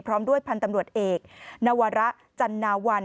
พร้อมด้วยพันธ์ตำรวจเอกนวระจันนาวัน